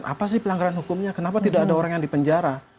apa sih pelanggaran hukumnya kenapa tidak ada orang yang dipenjara